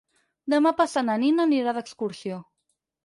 Demà passat na Nina anirà d'excursió.